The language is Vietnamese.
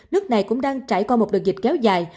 nước này cũng đang trải qua một đợt dịch kéo dài